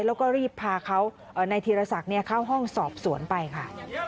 แล้วก็รีบพาเขานายธีรศักดิ์เข้าห้องสอบสวนไปค่ะ